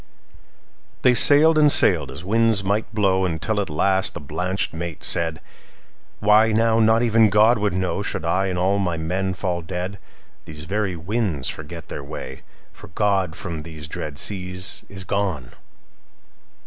'"They sailed and sailed, as winds might blow, Until at last the blanched mate said:"Why, now not even God would knowShould I and all my men fall dead. These very winds forget their way, For God from these dread seas is gone.